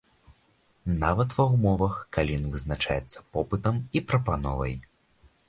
Нават ва ўмовах, калі ён вызначаецца попытам і прапановай.